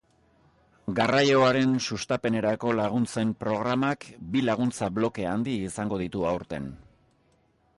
Garraioaren sustapenerako laguntzen programak bi laguntza-bloke handi izango ditu aurten.